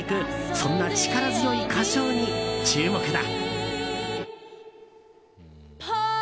そんな力強い歌唱に注目だ。